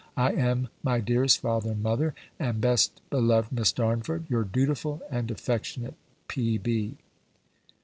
I am, my dearest father and mother, and best beloved Miss Darnford, your dutiful and affectionate P.